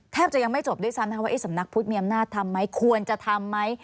จะยังไม่จบด้วยซ้ำว่าสำนักพุทธมีอำนาจทำไหมควรจะทำไหม